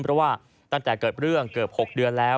เพราะว่าตั้งแต่เกิดเรื่องเกือบ๖เดือนแล้ว